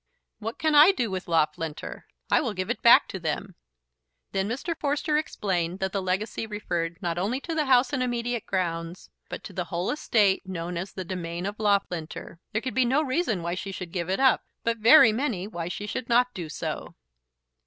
"What can I do with Loughlinter? I will give it back to them." Then Mr. Forster explained that the legacy referred not only to the house and immediate grounds, but to the whole estate known as the domain of Loughlinter. There could be no reason why she should give it up, but very many why she should not do so.